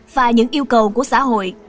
và những yêu cầu của xã hội